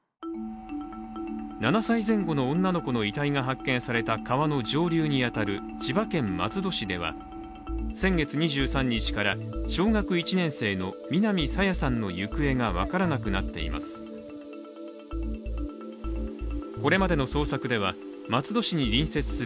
７歳前後の女の子の遺体が発見された川の上流に当たる千葉県松戸市では、先月２３日から小学１年生の南朝芽さんの行方が分からなくなっています。